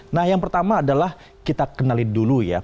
nah yang pertama adalah kita kenali dulu ya